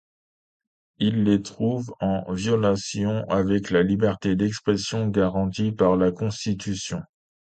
Il les trouve en violation avec la liberté d'expression garantie par la Constitution.